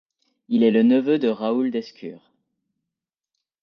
Il est le neveu de Raoul d'Escures.